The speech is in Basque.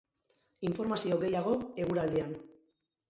Informazio gehiago, eguraldian.